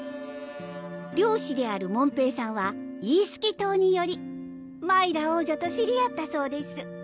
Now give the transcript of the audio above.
漁師である門平さんはイースキ島によりマイラ王女と知り合ったそうです